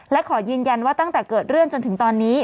และขอยืนยันว่าตั้งแต่เกิดเรื่องจนถึงตอนนี้